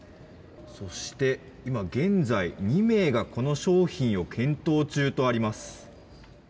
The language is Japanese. そして今現在、２名がこの商品を検討中とあります。